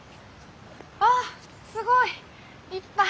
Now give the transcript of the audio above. あすごい！いっぱい！